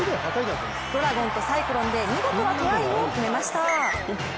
ドラゴンとサイクロンで見事なトライを決めました。